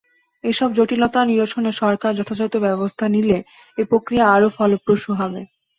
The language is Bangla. এসব জটিলতা নিরসনে সরকার যথাযথ ব্যবস্থা নিলে এ প্রক্রিয়া আরও ফলপ্রসূ হবে।